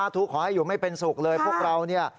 ทุกข์ขอให้อยู่ไม่เป็นสุขเลยพวกเราเนี่ย